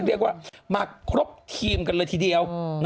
เรียกว่ามาครบทีมกันเลยทีเดียว